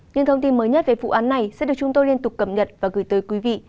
những thông tin mới nhất về vụ án này sẽ được chúng tôi liên tục cập nhật và gửi tới quý vị